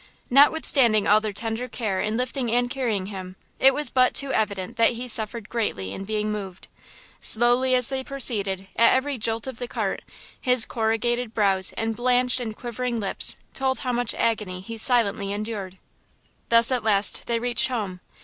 Notwithstanding all their tender care in lifting and carrying him, it was but too evident that he suffered greatly in being moved. Slowly as they proceeded, at every jolt of the cart, his corrugated brows and blanched and quivering lips told how much agony he silently endured. Thus at last they reached home.